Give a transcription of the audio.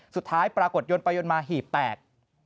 สุดท้ายปรากฏยนต์ประยนต์มาหีบแปลก